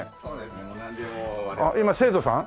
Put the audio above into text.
あっ今生徒さん？